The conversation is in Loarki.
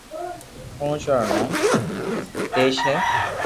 پوچوا رو نوم نيتيس ھي